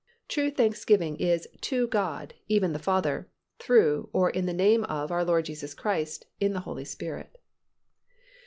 True thanksgiving is "to God, even the Father," through, or "in the name of" our Lord Jesus Christ, in the Holy Spirit.